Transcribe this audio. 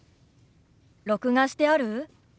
録画してある？